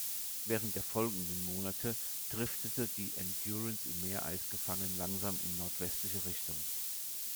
Während der folgenden Monate driftete die "Endurance" im Meereis gefangen langsam in nordwestliche Richtung.